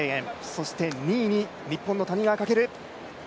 そして２位に日本の谷川翔。